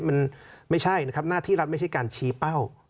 มันไม่ใช่นะครับหน้าที่รัฐไม่ใช่การชี้เป้า